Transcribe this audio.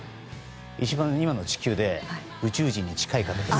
一番、今の地球で宇宙人に近い方です。